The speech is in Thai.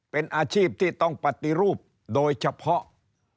เป็นอาชีพที่ต้องปฏิรูปโดยเฉพาะ